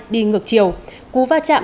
đi ngược chiều cú va chạm